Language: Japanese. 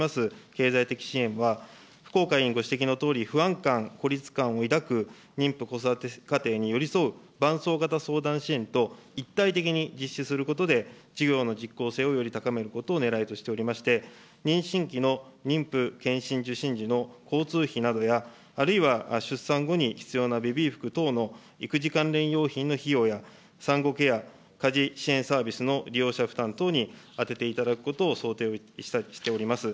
経済的支援は、福岡委員ご指摘のとおり、不安感、孤立感を抱く妊婦子育て家庭に寄り添う伴走型相談支援と一体的に実施することで事業の実効性をより高めることをねらいとしておりまして、妊娠期の妊婦健診受診時の交通費などや、あるいは、出産後に必要なベビー服等の育児関連用品の費用や、産後ケア、家事支援サービスの利用者負担等に充てていただくことを想定をしております。